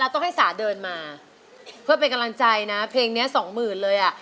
ต้องให้สาเดินมาเพื่อเป็นกำลังใจนะเพลงนี้สองหมื่นเลยอ่ะ